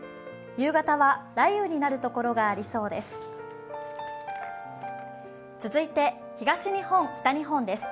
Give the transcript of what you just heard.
夕方は雷雨になる所がありそうです。